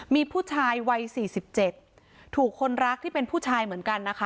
มีผู้ชายวัย๔๗ถูกคนรักที่เป็นผู้ชายเหมือนกันนะคะ